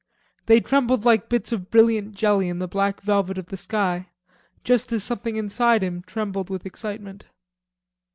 They trembled like bits of brilliant jelly in the black velvet of the sky, just as something inside him trembled with excitement.